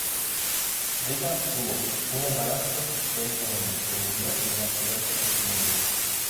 Rita tuvo un hermanastro, Dennis Moreno, quien murió en un accidente automovilístico.